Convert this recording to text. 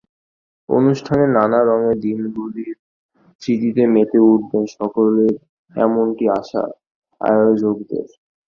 অনুষ্ঠানে নানা রঙের দিনগুলির স্মৃতিতে মেতে উঠবেন সকলে এমনটি আশা আয়োজকদের।